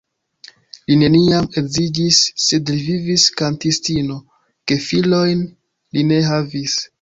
Li neniam edziĝis, sed li vivis kantistino, gefilojn li ne havis.